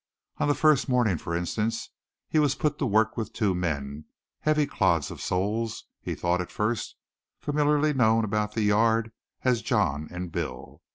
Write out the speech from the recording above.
On the first morning, for instance, he was put to work with two men, heavy clods of souls he thought at first, familiarly known about the yard as John and Bill.